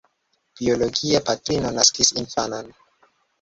Biologia patrino naskis infanon.